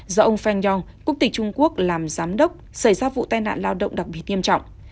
do ông feng yong quốc tịch trung quốc làm giám đốc xảy ra vụ tai nạn lao động đặc biệt nghiêm trọng